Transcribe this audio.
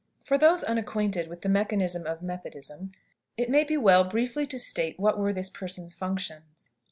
For those unacquainted with the mechanism of Methodism, it may be well briefly to state what were this person's functions.